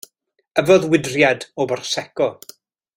Yfodd wydriad o brosecco.